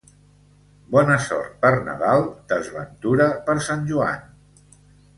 Bona sort per Nadal, desventura per Sant Joan.